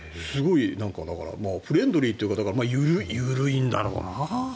だから、フレンドリーというか緩いんだろうな。